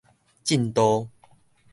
震度